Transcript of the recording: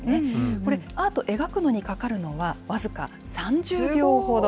これ、アート描くのにかかるのは、僅か３０秒ほど。